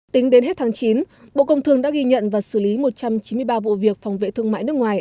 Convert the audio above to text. tính đến hết tháng chín bộ công thương đã ghi nhận và xử lý một trăm chín mươi ba vụ việc phòng vệ thương mại nước ngoài